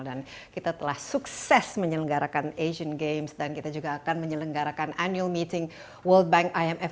dan kita telah sukses menyelenggarakan asian games dan kita juga akan menyelenggarakan annual meeting world bank imf